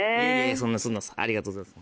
そんなそんなありがとうございます